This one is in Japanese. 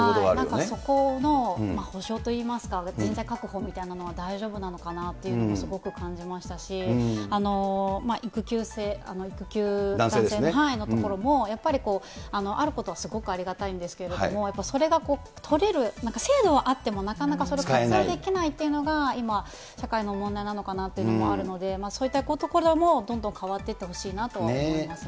なんかそこのほしょうといいますか、人材確保みたいなのは大丈夫なのかなっていうのもすごく感じますし、育休制、男性のところも、やっぱりあることはすごくありがたいんですけど、それが取れる、制度はあってもなかなかそれを活用できないというのが、今、社会の問題なのかなっていうのもあるので、そういったところもどんどん変わっていってほしいなと思いますね。